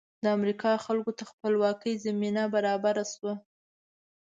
د امریکا خلکو ته خپلواکۍ زمینه برابره شوه.